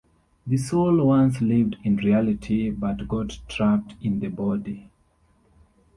The soul once lived in "Reality", but got trapped in the body.